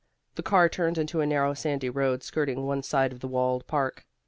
The car turned into a narrow sandy road skirting one side of the walled park.